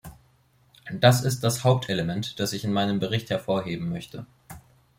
Das ist das Hauptelement, das ich in meinem Bericht hervorheben möchte.